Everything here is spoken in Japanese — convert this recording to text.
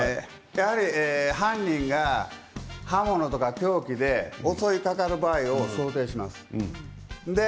やはり犯人が刃物とか凶器で襲いかかる場合を想定しています。